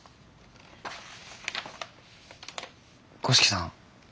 五色さん。